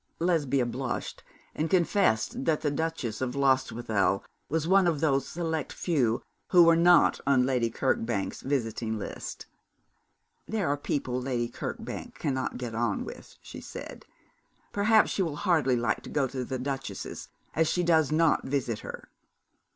Lesbia blushed, and confessed that the Duchess of Lostwithiel was one of those select few who were not on Lady Kirkbank's visiting list. 'There are people Lady Kirkbank cannot get on with,' she said. 'Perhaps she will hardly like to go to the duchess's, as she does not visit her.'